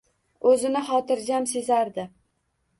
O`zini xotirjam sezardi